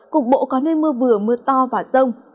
cục bộ có nơi mưa vừa mưa to và rông